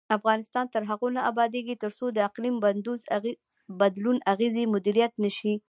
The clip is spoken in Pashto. افغانستان تر هغو نه ابادیږي، ترڅو د اقلیم بدلون اغیزې مدیریت نشي.